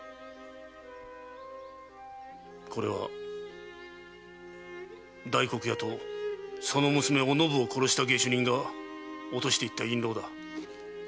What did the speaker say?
これは大黒屋とその娘おのぶを殺した下手人が落とした印籠だ。